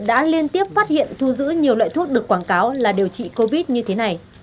đã liên tiếp phát hiện thu giữ nhiều loại thuốc được quảng cáo là điều trị covid như thế này